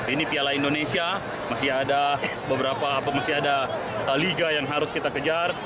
ini piala indonesia masih ada beberapa masih ada liga yang harus kita kejar